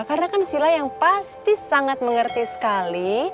karena kan sila yang pasti sangat mengerti sekali